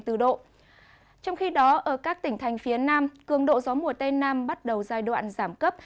trong khi đó ở các tỉnh thành phía nam cường độ gió mùa tây nam bắt đầu giai đoạn giảm cấp